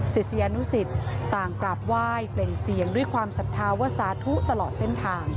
ศิษยานุสิตต่างกราบไหว้เปล่งเสียงด้วยความศรัทธาว่าสาธุตลอดเส้นทาง